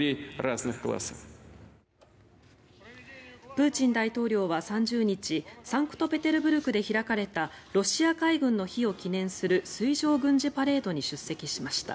プーチン大統領は３０日サンクトペテルブルクで開かれたロシア海軍の日を記念する水上軍事パレードに出席しました。